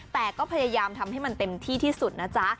แต่ก็พยายามทำให้มันเต็มที่ที่สุดนะจ๊ะ